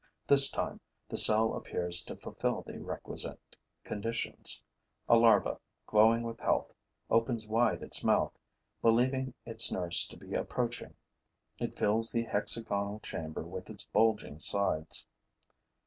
This time, the cell appears to fulfil the requisite conditions. A larva, glowing with health, opens wide its mouth, believing its nurse to be approaching. It fills the hexagonal chamber with its bulging sides.